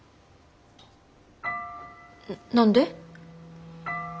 何で？